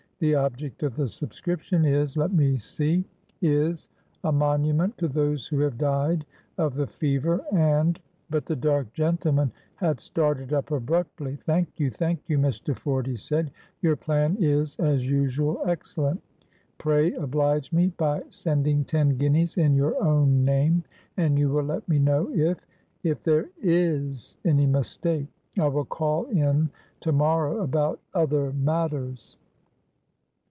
The object of the subscription is—let me see—is—a monument to those who have died of the fever and"— But the dark gentleman had started up abruptly. "Thank you, thank you, Mr. Ford," he said; "your plan is, as usual, excellent. Pray oblige me by sending ten guineas in your own name, and you will let me know if—if there is any mistake. I will call in to morrow about other matters."